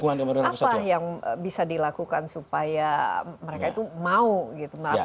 apa yang bisa dilakukan supaya mereka itu mau gitu melakukan